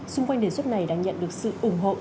xung quanh đề xuất này đang nhận được sự ủng hộ